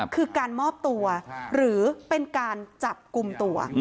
คือการมอบตัวหรือเป็นการจับกลุ่มตัว